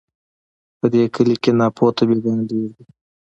په دې کلي کي ناپوه طبیبان ډیر دي